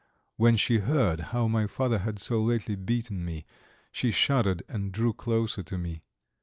When she heard how my father had so lately beaten me, she shuddered and drew closer to me.